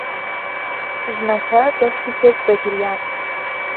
ژنهکه دهستی کرد به گریان